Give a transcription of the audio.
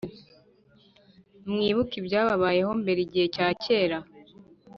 mwibuke ibyababayeho mbere, igihe cya kera :